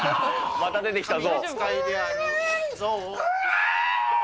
また出てきた、象。